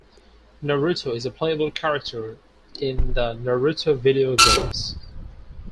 Naruto is a playable character in the "Naruto" video games.